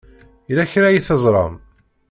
Yella kra ay teẓram?